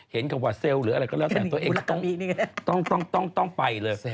เห็นกับว่าเซลล์หรืออะไรก็แล้วแต่ตัวเองก็ต้องต้องต้องต้องต้องไปเลย